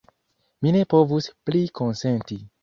Mi ne povus pli konsenti!